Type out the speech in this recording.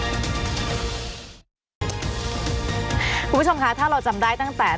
คุณผู้ชมคะถ้าเราจำได้ตั้งแต่